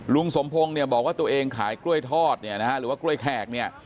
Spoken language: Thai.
ลุงสมพงศ์บอกว่าตัวเองขายกล้วยทอดหรือว่ากล้วยแขก